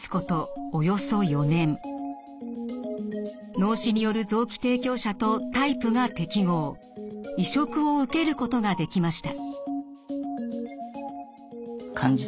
脳死による臓器提供者とタイプが適合移植を受けることができました。